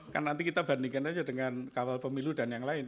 kan nanti kita bandingkan saja dengan kawal pemilu dan yang lain